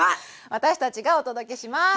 私たちがお届けします！